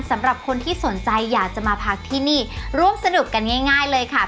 สำหรับคนที่สนใจอยากจะมาพักที่นี่ร่วมสนุกกันง่ายเลยค่ะ